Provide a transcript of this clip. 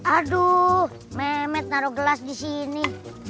aduh mehmet taruh gelas disini